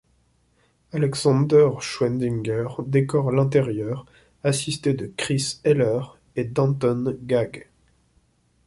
Alexander Schwendinger décore l'intérieur, assisté de Chris Heller et d'Anton Gag.